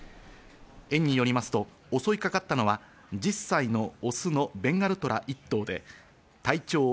園によりますと襲いかかったのは１０歳のオスのベンガルトラ１頭で体長